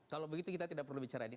kalau begitu kita tidak perlu bicara ini